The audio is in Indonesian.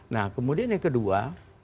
nah kemudian yang kedua